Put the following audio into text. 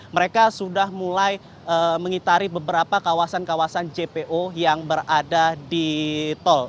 mereka sudah mulai mengitari beberapa kawasan kawasan jpo yang berada di tol